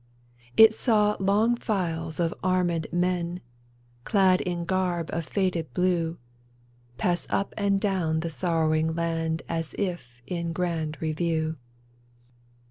It saw long files of armed men, Clad in a garb of faded blue. Pass up and down the sorrowing land As if in grand review.